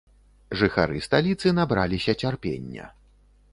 Жыхары сталіцы набраліся цярпення.